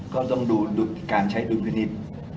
ก็ต้องดูการใช้ดุลพินิษฐ์